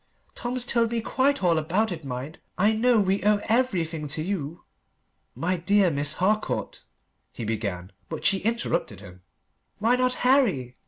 "Tom's told me quite all about it, mind! I know we owe everything to you." "My dear Miss Harcourt," he began. But she interrupted him. "Why not Harry?"